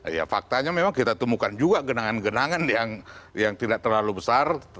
ya faktanya memang kita temukan juga genangan genangan yang tidak terlalu besar